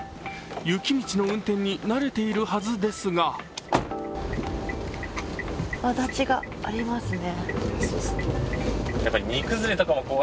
雪道の運転になれているはずですがわだちがありますね。